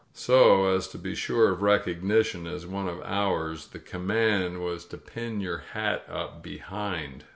So as to be sure of recognition as one of "ours," the command was to pin your hat up behind.